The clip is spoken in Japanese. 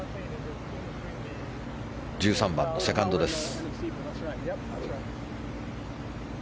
１３番のセカンドです。